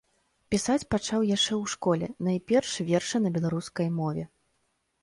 Пісаць пачаў яшчэ ў школе, найперш вершы на беларускай мове.